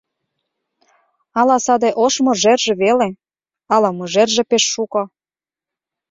Ала саде ош мыжерже веле, ала мыжерже пеш шуко.